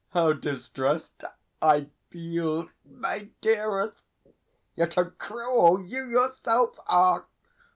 How distressed I feel, my dearest! Yet how cruel you yourself are!